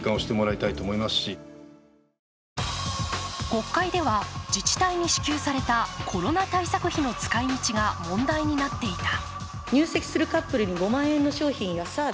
国会では、自治体に支給されたコロナ対策費の使いみちが問題になっていた。